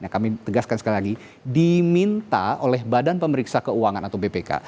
yang kami tegaskan sekali lagi diminta oleh badan pemeriksa keuangan atau bpk